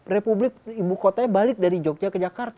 republik ibu kotanya balik dari jogja ke jakarta